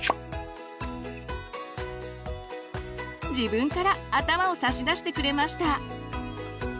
自分から頭を差し出してくれました。